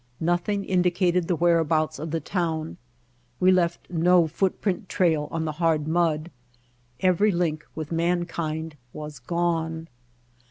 Nothing indicated the whereabouts of the town, we left no footprint trail on the hard mud, every link with mankind was gone.